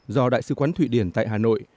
do đại sứ quán thụy điển tại hà nội